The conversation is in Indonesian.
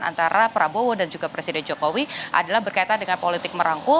antara prabowo dan juga presiden jokowi adalah berkaitan dengan politik merangkul